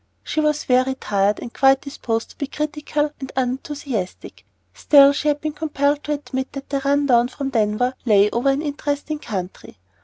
She was very tired, and quite disposed to be critical and unenthusiastic; still she had been compelled to admit that the run down from Denver lay over an interesting country.